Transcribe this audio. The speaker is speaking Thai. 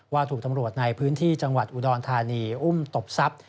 ถูกตำรวจในพื้นที่จังหวัดอุดรธานีอุ้มตบทรัพย์